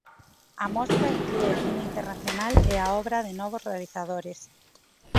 A mostra inclúe cine internacional e a obra de novos realizadores.